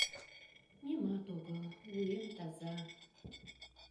— Нимат огыл... вуем таза.